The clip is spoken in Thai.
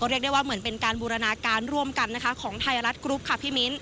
เรียกได้ว่าเหมือนเป็นการบูรณาการร่วมกันนะคะของไทยรัฐกรุ๊ปค่ะพี่มิ้น